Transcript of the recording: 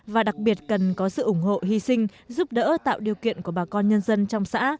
và đặc biệt cần có sự ủng hộ hy sinh giúp đỡ tạo điều kiện của bà con nhân dân trong xã